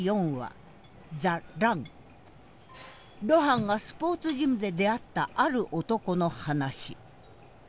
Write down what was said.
露伴がスポーツジムで出会ったある男の話。